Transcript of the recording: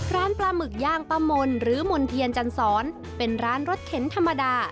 ปลาหมึกย่างป้ามนหรือมณ์เทียนจันสอนเป็นร้านรถเข็นธรรมดา